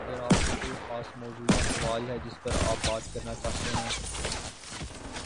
اگر آپ کو کوئی خاص موضوع یا سوال ہے جس پر آپ بات کرنا چاہتے ہیں